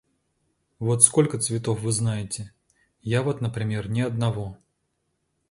Вот сколько цветов вы знаете? Я вот, например, ни одного.